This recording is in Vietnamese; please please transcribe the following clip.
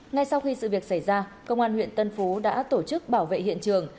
ngay sau khi sự việc xảy ra công an huyện tân phú đã tổ chức bảo vệ hiện trường